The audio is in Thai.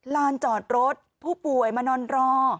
ลานจอดรถผู้ป่วยมานอนรอ